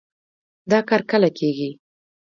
دا کار کله کېږي؟